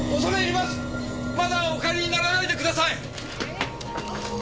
まだお帰りにならないでください！